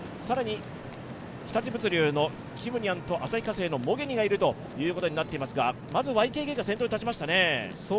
更に日立物流のキムニャンと旭化成のモゲニがいるということになっていますが、まずＹＫＫが先頭に立ちましたね。